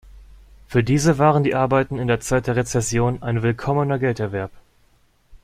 Für diese waren die Arbeiten in der Zeit der Rezession ein willkommener Gelderwerb.